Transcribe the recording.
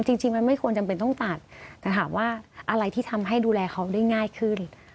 จริงมันไม่ควรจำเป็นต้องตัดแต่ถามว่าอะไรที่ทำให้ดูแลเขาได้ง่ายขึ้น